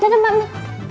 dadah mbak mirna